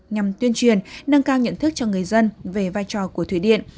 nhằm tuyên truyền nâng cao nhận thức cho người dân về vai trò của thủy điện